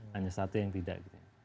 hanya satu yang tidak